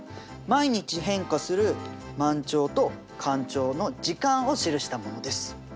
毎日変化する満潮と干潮の時間を記したものです。